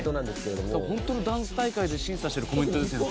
ホントのダンス大会で審査してるコメントですやん。